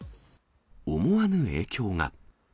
思わぬ影響が。